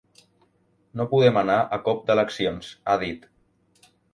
No podem anar a cop d’eleccions, ha dit.